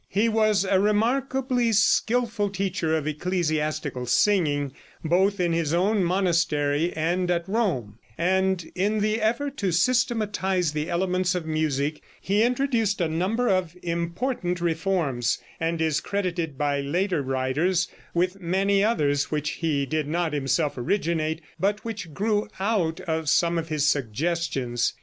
He was a remarkably skillful teacher of ecclesiastical singing, both in his own monastery and at Rome, and in the effort to systematize the elements of music he introduced a number of important reforms, and is credited by later writers with many others which he did not himself originate, but which grew out of some of his suggestions.